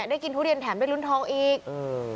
ได้กินทุเรียนแถมเป็นลุ้นทองอีกเออ